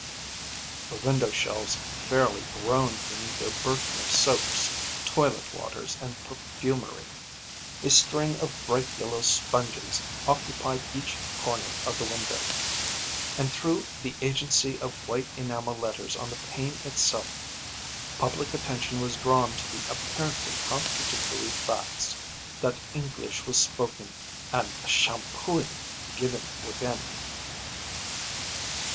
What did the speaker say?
The window shelves fairly groaned beneath their burden of soaps, toilet waters, and perfumery, a string of bright yellow sponges occupied each corner of the window, and, through the agency of white enamel letters on the pane itself, public attention was drawn to the apparently contradictory facts that English was spoken and "schampoing" given within.